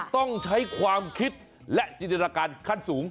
ต้องใช้ความคิดและจินตนาการขั้นสูง